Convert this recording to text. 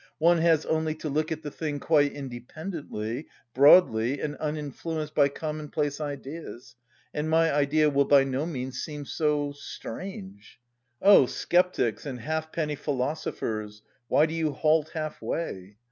One has only to look at the thing quite independently, broadly, and uninfluenced by commonplace ideas, and my idea will by no means seem so... strange. Oh, sceptics and halfpenny philosophers, why do you halt half way!